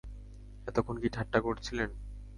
এতক্ষণ কি ঠাট্টা করছিলেন?